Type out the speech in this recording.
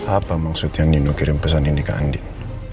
apa maksudnya andien mengirim pesan ini ke andien